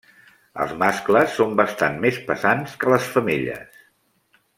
Els mascles són bastant més pesants que les femelles.